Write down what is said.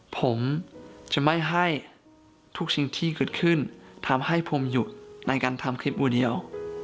ผมจะไม่ให้ทุกสิ่งที่เกิดขึ้นทำให้ผมหยุดในการทำคลิปอูเดียว